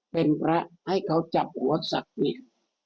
เป็นพระให้เขาจับหัวศักดิ์อีก